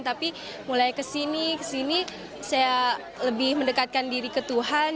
tapi mulai kesini kesini saya lebih mendekatkan diri ke tuhan